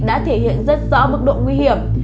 đã thể hiện rất rõ mức độ nguy hiểm